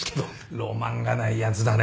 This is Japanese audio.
ロマンがないやつだね。